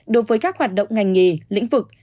đối với các hoạt động ngành nghề lĩnh vực